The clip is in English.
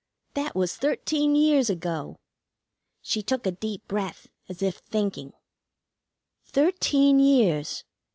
That was thirteen years ago." She took a deep breath, as if thinking. "Thirteen years.